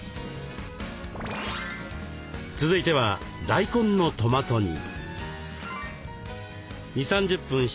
続いては大根のトマト煮。